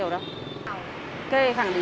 rác bò rất là nhiều